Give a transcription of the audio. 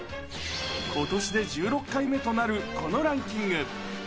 ことしで１６回目となるこのランキング。